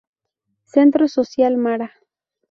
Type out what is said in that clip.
Centro Social Mara.